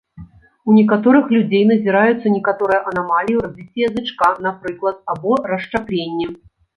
У некаторых людзей назіраюцца некаторыя анамаліі ў развіцці язычка, напрыклад, або расшчапленне.